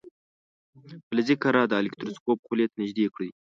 فلزي کره د الکتروسکوپ خولې ته نژدې کړئ.